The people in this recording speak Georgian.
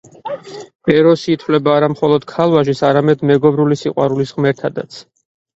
ეროსი ითვლება არა მხოლოდ ქალ–ვაჟის, არამედ მეგობრული სიყვარულის ღმერთადაც.